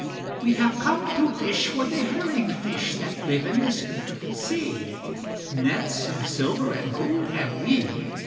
"We have come to fish for the herring fish That live in this beautiful sea; Nets of silver and gold have we!"